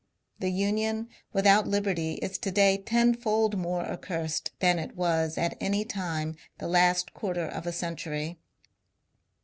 The Union without liberty is to day tenfold more accursed than it was any time the last quarter of a century.